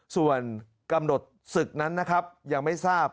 ส่วนกำหนดศึกนั้นนะครับยังไม่ทราบ